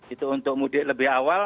itu untuk mudik lebih awal